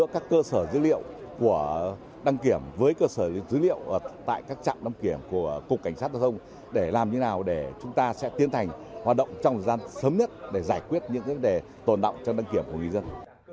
các cơ sở dữ liệu của đăng kiểm với cơ sở dữ liệu tại các trạm đăng kiểm của cục cảnh sát giao thông để làm như thế nào để chúng ta sẽ tiến hành hoạt động trong thời gian sớm nhất để giải quyết những vấn đề tồn động trong đăng kiểm của người dân